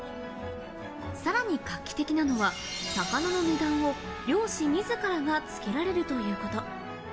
さらに画期的なのは魚の値段を漁師自らがつけられるということ。